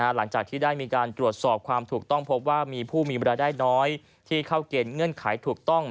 หลังจากที่ได้มีการตรวจสอบความถูกต้องพบว่ามีผู้มีเวลาได้น้อยที่เข้าเกณฑ์เงื่อนไขถูกต้อง